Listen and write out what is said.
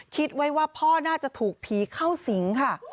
คิดไว้ว่าพ่อน่าจะถูกผีเข้าสิงค่ะ